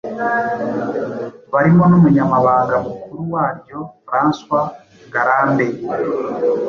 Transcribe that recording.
barimo n'umunyamabanga mukuru waryo François Ngarambe –